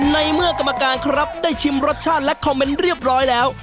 ในเมื่อกรรมการครับได้ชิมรสชาติและคอมเมนต์เรียบร้อยแล้ว